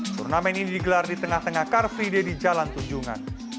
turnamen ini digelar di tengah tengah car free day di jalan tunjungan